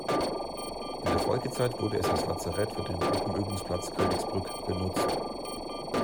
In der Folgezeit wurde es als Lazarett für den Truppenübungsplatz Königsbrück genutzt.